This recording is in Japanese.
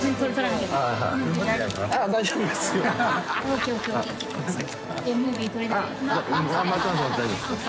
△大丈夫ですよ